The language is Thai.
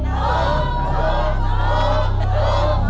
โอ้โฮ